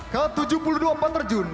ke tujuh puluh dua penerjun